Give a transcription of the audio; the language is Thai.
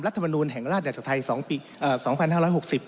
รัฐธรรมนูนแห่งรากฎาตรักไทย๒๕๖๐